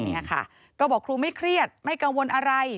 เนี่ยค่ะก็บอกครูไม่เครียดไม่กังวลอะไร